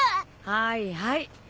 はいはい。